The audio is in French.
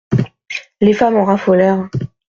Les femmes en raffolèrent.